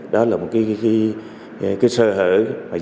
đó là một cái sơ hở dễ dàng đánh mà tội phận nó lợi dụng